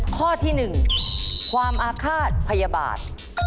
ข้อที่๑ความอาฆาตพยาบาล